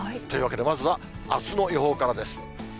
というわけで、まずはあすの予報からです。